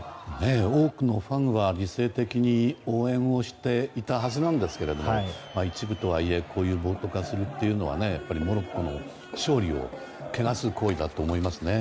多くのファンは理性的に応援をしていたはずなんですが一部とはいえ、こうやって暴徒化するというのはモロッコの勝利を汚す行為だと思います。